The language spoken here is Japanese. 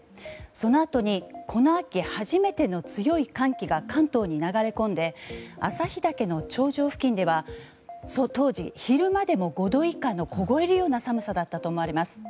そのあとに、この秋初めての強い寒気が関東に流れ込んで朝日岳の頂上付近では当時、昼間でも５度以下の凍えるような寒さだったと思われます。